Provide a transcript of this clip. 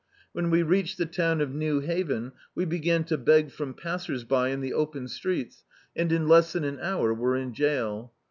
'When we reached the town of New Haven, we began to beg from passersby in the open streets and in less than an hour were in jail.